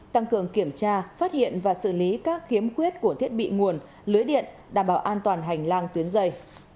tăng cường kiểm tra phát hiện và xử lý các khiếm khuyết của thiết bị nguồn lưới điện đảm bảo an toàn hành lang tuyến dây